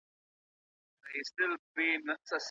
د هلک او نجلۍ رضايت ته پوره پاملرنه وکړئ.